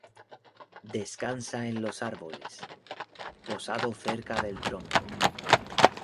Descansa en los árboles, posado cerca del tronco.